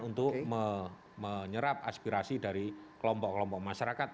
untuk menyerap aspirasi dari kelompok kelompok masyarakat